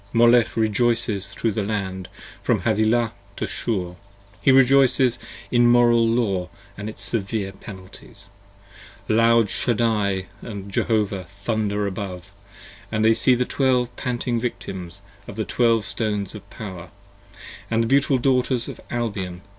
Molech rejoices thro' the Land from Havilah to Shur: he rejoices In moral law & its severe penalties; loud Shaddai & Jehovah 40 Thunder above, when they see the Twelve panting Victims On the Twelve Stones of Power, & the beautiful Daughters of Albion.